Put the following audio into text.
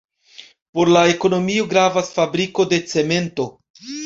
Por la ekonomio gravas fabriko de cemento.